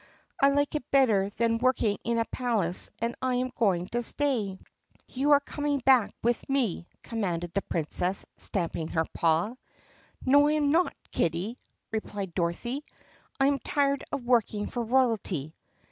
I like it better than working in a palace and I am going to stay." "You are coming back with me!" commanded the Princess stamping her paw. "I am not, kitty!" replied Dorothy. "I am tired of working for royalty."